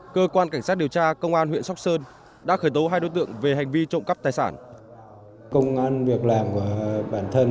cơ quan cảnh sát điều tra công an huyện sóc sơn đã khởi tố hai đối tượng về hành vi trộm cắp tài sản